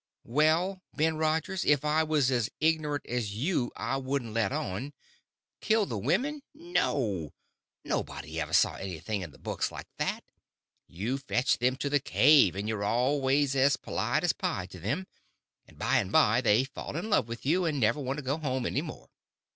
"Well, Ben Rogers, if I was as ignorant as you I wouldn't let on. Kill the women? No; nobody ever saw anything in the books like that. You fetch them to the cave, and you're always as polite as pie to them; and by and by they fall in love with you, and never want to go home any more."